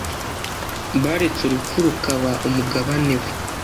baretse urupfu rukaba umugabane we